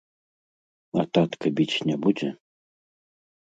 А татка біць не будзе?